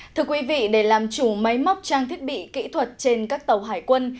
thưa quý vị để làm chủ máy móc trang thiết bị kỹ thuật trên các tàu hải quân